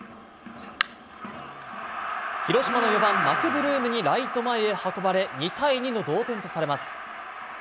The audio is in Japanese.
広島の４番マクブルームにライト前へ運ばれ、２対２の同点とされます。